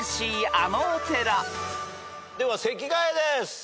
あのお寺］では席替えです。